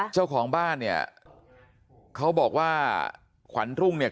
เจ้าของบ้านเนี่ยเขาบอกว่าขวัญรุ่งเนี่ย